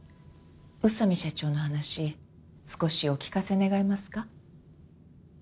宇佐美社長の話少しお聞かせ願えますか？